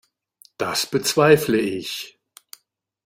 Das bezweifle ich.